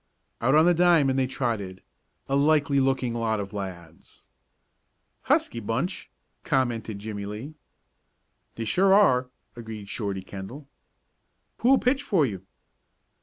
Out on the diamond they trotted a likely looking lot of lads. "Husky bunch," commented Jimmie Lee. "They sure are," agreed Shorty Kendall. "Who'll pitch for you?"